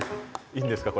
いいんですか？